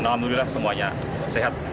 dan alhamdulillah semuanya sehat